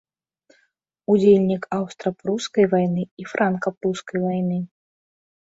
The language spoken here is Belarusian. Удзельнік аўстра-прускай вайны і франка-прускай вайны.